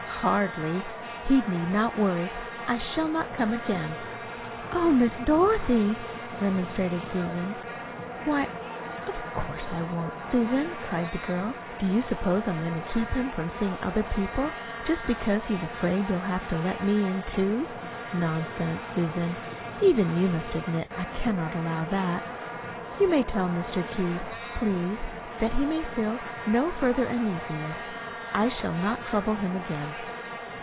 Hardly! He need not worry. I shall not come again." "Oh, Miss Dorothy!" remonstrated Susan. "Why, of course I won't, Susan!" cried the girl. "Do you suppose I'm going to keep him from seeing other people just because he's afraid he'll have to let me in, too? Nonsense, Susan! Even you must admit I cannot allow that. You may tell Mr. Keith, please, that he may feel no further uneasiness. I shall not trouble him again."